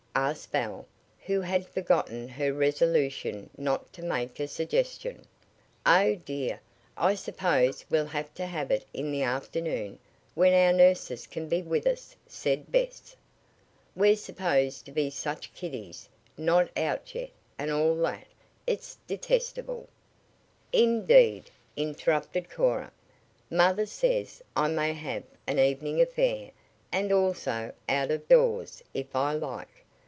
asked Belle, who had forgotten her resolution not to make a suggestion. "Oh, dear! I suppose we'll have to have it in the afternoon, when our nurses can be with us," said Bess. "We're supposed to be such kiddies not out yet, and all that. It's detestable " "Indeed," interrupted Cora, "mother says I may have an evening affair, and also out of doors, if I like.